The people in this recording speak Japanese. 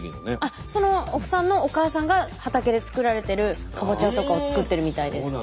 その奥さんのお母さんが畑で作られてるかぼちゃとかを作ってるみたいです。